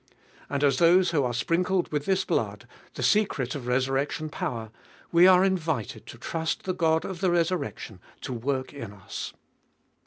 And as those who are sprinkled with this blood, the secret of resurrection power, we are invited to trust the God of the resur rection to work in us.